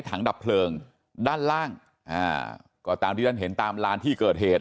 ถังดับเพลิงด้านล่างก็ตามที่ฉันเห็นตามร้านที่เกิดเหตุ